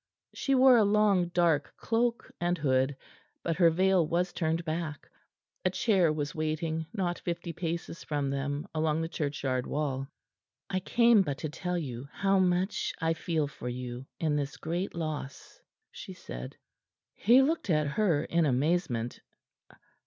She wore a long, dark cloak and hood, but her veil was turned back. A chair was waiting not fifty paces from them along the churchyard wall. "I came but to tell you how much I feel for you in this great loss," she said. He looked at her in amazement.